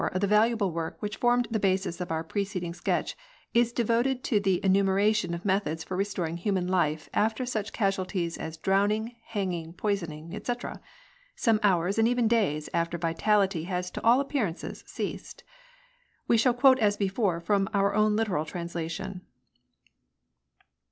of the valuable work which formed the basis of our preceding sketch, is devoted to the enu meration of methods for restoring human life after such casualties as drowning, hanging, poisoning, &c., some hours and even days after vitality has to all appearances ceased. We shall quote as before from our own literal translation.